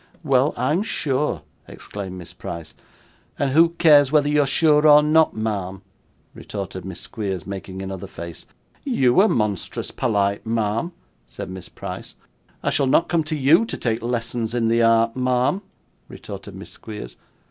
'Well, I'm sure!' exclaimed Miss Price. 'And who cares whether you are sure or not, ma'am?' retorted Miss Squeers, making another face. 'You are monstrous polite, ma'am,' said Miss Price. 'I shall not come to you to take lessons in the art, ma'am!' retorted Miss Squeers.